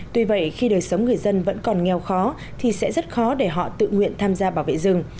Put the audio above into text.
tuy vậy khi đời sống người dân vẫn còn nghèo khó thì sẽ rất khó để họ tự nguyện tham gia bảo vệ rừng